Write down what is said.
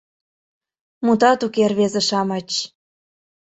— Мутат уке, рвезе-шамыч...